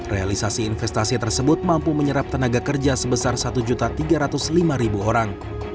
realisasi investasi tersebut mampu menyerap tenaga kerja sebesar satu tiga ratus lima orang